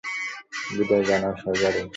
বিদায় জানাও, শজারু।